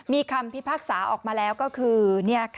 มีคำพิพากษาออกมาแล้วก็คือ